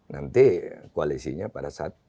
nanti koalisinya pada saat